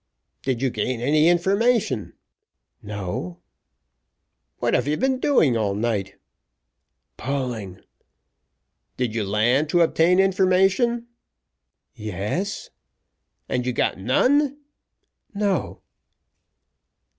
"Did you gain any information?" "No." "What have you been doing all night?" "Pulling." "Did you land to obtain information?" "Yes." "And you got none?" "No."